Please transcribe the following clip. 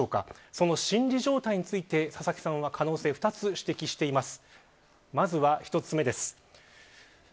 その心理状態について佐々木さんは可能性、２つ指摘しています。